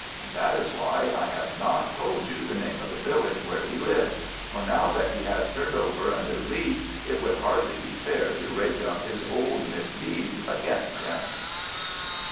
And that is why I have not told you the name of the village where he lived; for now that he has turned over a new leaf, it would hardly be fair to rake up his old misdeeds against him.